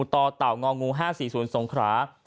ต่อเต่างองู๕๔๐สงขรา